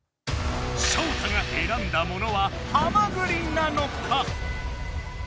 ショウタがえらんだものはハマグリなのか？